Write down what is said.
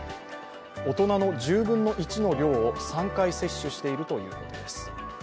大人の１０分の１の量を３回接種しているということです。